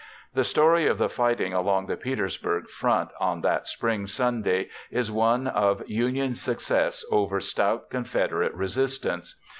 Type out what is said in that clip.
The story of the fighting along the Petersburg front on that spring Sunday is one of Union success over stout Confederate resistance.